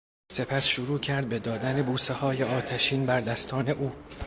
سپس شروع کرد به دادن بوسه های آتشین بر دستان او